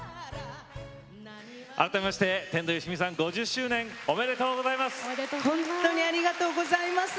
改めまして天童よしみさん５０周年おめでとうございます。